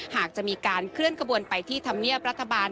หากจะมีการเคลื่อนขบวนไปที่ธรรมเนียบรัฐบาล